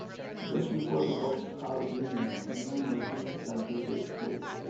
Just before the pups are weaned, a new mating cycle takes place.